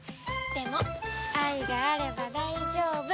でも愛があれば大丈夫。